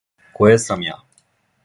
Које сам ја?